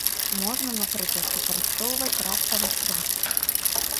Можна, напрыклад, выкарыстоўваць рапсавы шрот.